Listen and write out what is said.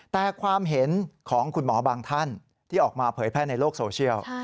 แต่ความเห็นของคุณหมอบางท่านที่ออกมาเผยแพร่ในโลกโซเชียล